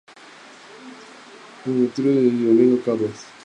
Se presta entre las estaciones de Retiro y Estación Dr. Domingo Cabred.